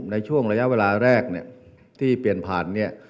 ในช่วงระยะเวลาแรกเนี่ยที่เปลี่ยนผ่านเนี่ย